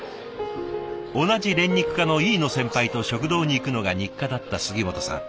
同じ練肉課の飯野先輩と食堂に行くのが日課だった杉本さん。